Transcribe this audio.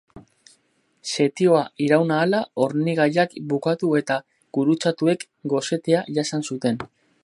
Setioa iraun ahala, hornigaiak bukatu eta gurutzatuek gosetea jasan zuten.